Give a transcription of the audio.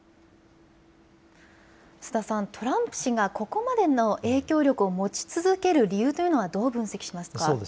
須田さん、トランプ氏がここまでの影響力を持ち続ける理由というのはどう分析しますか。